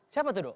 siapa tuh dok